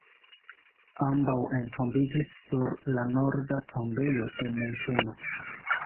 Ambaŭ entombiĝis sur la norda tombejo de Munkeno.